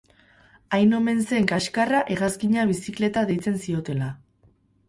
Hain omen zen kaskarra hegazkina bizikleta deitzen ziotela.